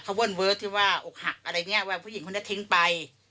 เขาเวิ่นเวิร์ดที่ว่าอกหักอะไรอย่างนี้ว่าผู้หญิงคนนี้ทิ้งไป